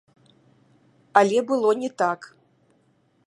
Але было не так.